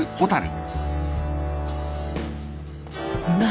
何？